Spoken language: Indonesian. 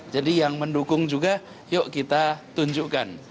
jadi yang mendukung juga yuk kita tunjukkan